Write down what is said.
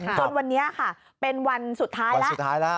จนวันนี้ค่ะเป็นวันสุดท้ายแล้ว